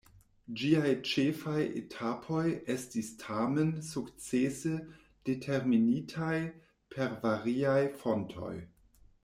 Ĝiaj ĉefaj etapoj estis tamen sukcese determinitaj per variaj fontoj.